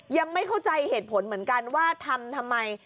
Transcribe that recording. ยังไม่เข้าใจเหตุผลเหมือนกันว่าทำทำไม